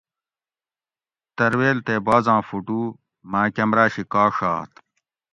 ترویل تے بازاں فوٹو ماۤں کمرا شی کا ڛات؟